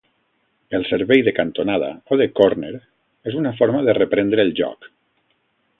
El servei de cantonada, o de córner, és una forma de reprendre el joc.